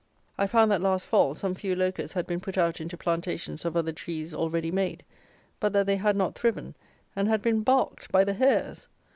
I found that, last fall, some few Locusts had been put out into plantations of other trees already made; but that they had not thriven, and had been barked by the hares!